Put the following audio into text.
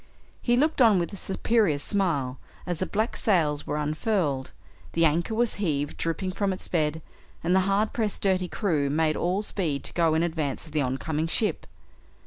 He looked on with a superior smile as the black sails were unfurled, the anchor was heaved dripping from its bed, and the hard pressed dirty crew made all speed to go in advance of the oncoming ship.